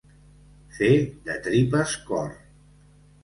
Fer de tripes cor.